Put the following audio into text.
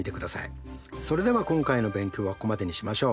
それでは今回の勉強はここまでにしましょう。